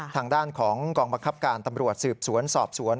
ทางด้านของกองบังคับการตำรวจสืบสวนสอบสวน